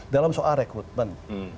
dalam soal rekrutmen